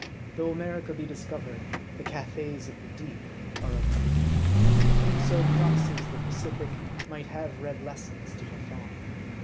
Though America be discovered, the Cathays of the deep are unknown. And whoso crosses the Pacific might have read lessons to Buffbn.